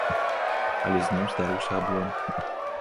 Але зноў здарыўся аблом.